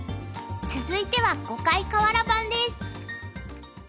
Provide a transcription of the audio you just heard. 続いては「碁界かわら盤」です。